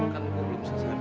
kan gue belum selesai